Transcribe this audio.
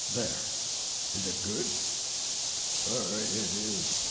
There. Is it good? Sir, it is pie.